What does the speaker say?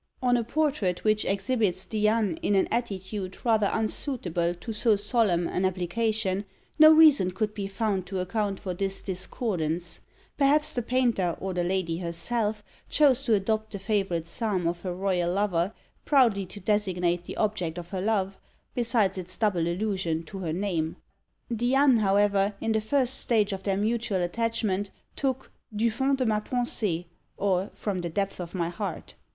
On a portrait which exhibits Diane in an attitude rather unsuitable to so solemn an application, no reason could be found to account for this discordance; perhaps the painter, or the lady herself, chose to adopt the favourite psalm of her royal lover, proudly to designate the object of her love, besides its double allusion to her name. Diane, however, in the first stage of their mutual attachment, took Du fond de ma pensée, or, "From the depth of my heart."